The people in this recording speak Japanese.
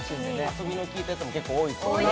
遊びの効いたやつも結構多いですよね